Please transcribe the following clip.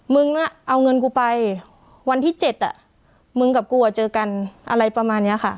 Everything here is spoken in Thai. มึงน่ะเอาเงินกูไปวันที่เจ็ดอ่ะมึงกับกูเจอกันอะไรประมาณนี้ค่ะ